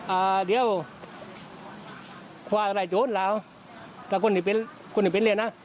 อ่าเดี๋ยวความอะไรโจทย์แล้วกับคนที่เป็นคนที่เป็นเรียนน่ะ